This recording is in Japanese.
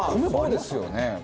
まあそうですよね。